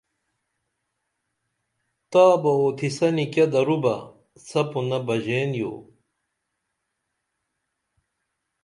تابہ اوتھیسنی کیہ درو بہ سپُنہ بژین یو